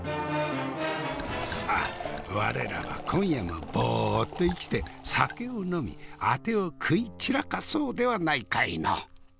さあ我らは今夜もボッと生きて酒を呑みあてを食い散らかそうではないかいの！